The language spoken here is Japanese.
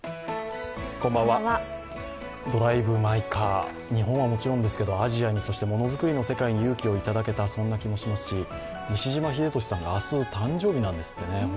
「ドライブ・マイ・カー」、日本はもちろんですけれども、アジアに、ものづくりの世界に勇気をいただけた、そんな気もしますし西島秀俊さんが明日、誕生日なんですってね